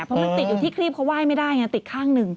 เพราะมันติดอยู่ที่ครีบเขาไหว้ไม่ได้ไงติดข้างหนึ่ง